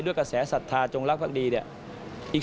ด้วยกระแสสัตถาจงลักษณ์พรรดีอีกส่วนใหญ่